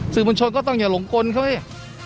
สื่อบัญชนก็ต้องอย่าหลงกลเข้าให้